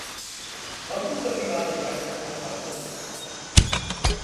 Com puc arribar a Deià sense agafar el metro?